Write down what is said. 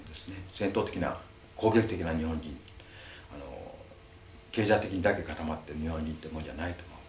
戦闘的な攻撃的な日本人経済的にだけ固まってる日本人ってもんじゃないと思う。